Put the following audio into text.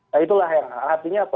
nah itulah yang artinya apa